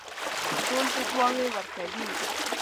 ټول فتواوې ورکوي.